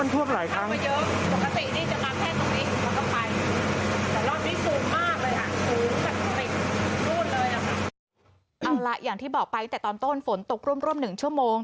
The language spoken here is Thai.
นู้นเลยอะเอาล่ะอย่างที่บอกไปแต่ตอนต้นฝนตกร่มร่มหนึ่งชั่วโมง